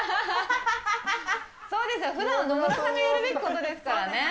そうですよ、ふだん、野村さんがやるべきことですからね。